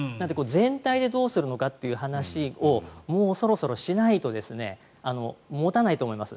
全体でどうするのかという話をもうそろそろしないと持たないと思います。